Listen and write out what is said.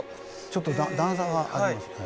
ちょっと段差がありますね。